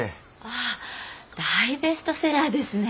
ああ大ベストセラーですね。